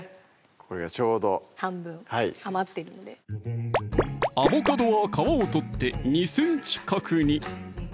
これがちょうど半分余ってるのでアボカドは皮を取って２ｃｍ角に！